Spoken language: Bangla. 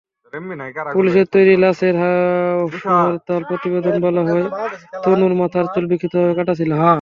পুলিশের তৈরি লাশের সুরতহাল প্রতিবেদনে বলা হয়, তনুর মাথার চুল বিক্ষিপ্তভাবে কাটা ছিল।